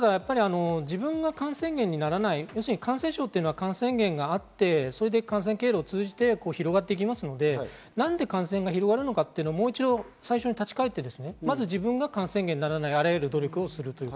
自分が感染源にならない、感染症は感染源があって、感染経路を通じて広がっていきますので、何で感染が広がるのかというのをもう一度最初に立ち返って、まず自分が感染源にならない、あらゆる努力をすること。